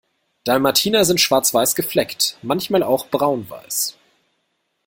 Dalmatiner sind schwarz-weiß gefleckt, manchmal auch braun-weiß.